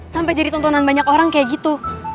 sampai jadi tontonan banyak orang kayak gitu